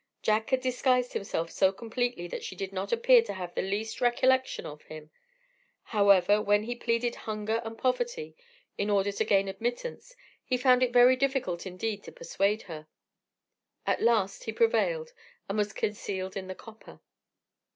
Jack had disguised himself so completely, that she did not appear to have the least recollection of him; however, when he pleaded hunger and poverty, in order to gain admittance, he found it very difficult indeed to persuade her. At last he prevailed, and was concealed in the copper.